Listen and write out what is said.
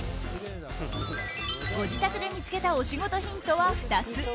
ご自宅で見つけたお仕事ヒントは２つ。